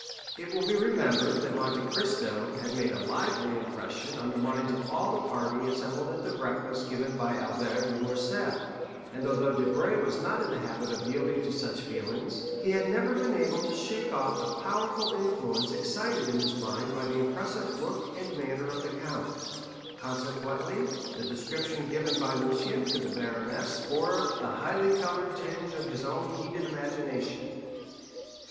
It will be remembered that Monte Cristo had made a lively impression on the minds of all the party assembled at the breakfast given by Albert de Morcerf; and although Debray was not in the habit of yielding to such feelings, he had never been able to shake off the powerful influence excited in his mind by the impressive look and manner of the count, consequently the description given by Lucien to the baroness bore the highly colored tinge of his own heated imagination.